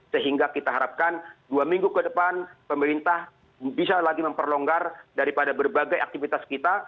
sehingga kita harapkan dua minggu ke depan pemerintah bisa lagi memperlonggar daripada berbagai aktivitas kita